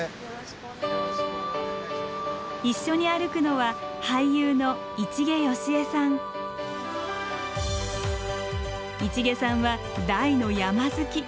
一緒に歩くのは市毛さんは大の山好き。